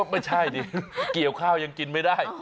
ไม่ใช่ดิเกี่ยวข้าวยังกินไม่ได้